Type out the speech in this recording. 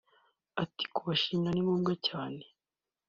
Ati “kubashimira ni ngombwa cyane